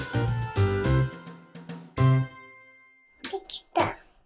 できた。